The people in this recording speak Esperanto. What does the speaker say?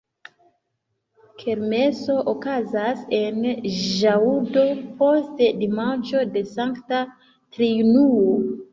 Kermeso okazas en ĵaŭdo post dimanĉo de Sankta Triunuo.